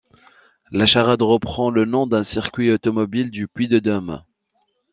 La Charade reprend le nom d'un circuit automobile du Puy-de-Dôme.